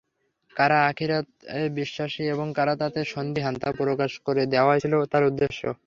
কারা আখিরাতে বিশ্বাসী এবং কারা তাতে সন্দিহান তা প্রকাশ করে দেওয়াই ছিল তার উদ্দেশ্য।